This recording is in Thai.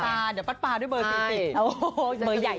เดี๋ยวปัดปลาด้วยเบอร์ติด